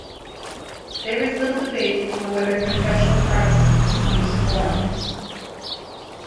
There is little debate over whether confessional Protestants use forms.